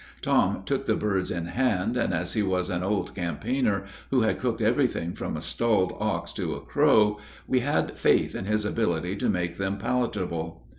Tom took the birds in hand, and as he was an old campaigner, who had cooked everything from a stalled ox to a crow, we had faith in his ability to make them palatable.